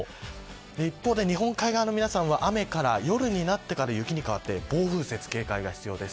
一方で、日本海側の皆さんは夜になってから雨から雪に変わって暴風雪に警戒が必要です。